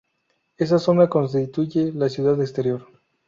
Esa zona constituye la ciudad exterior.